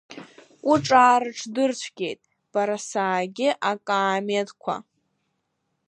Кәыҿаа рыҽдырцәгьеит, барасаагьы акаамеҭқәа.